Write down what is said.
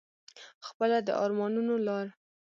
خپله د ارمانونو لار